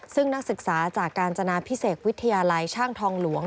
ซึ่งนักศึกษาจากกาญจนาพิเศษวิทยาลัยช่างทองหลวง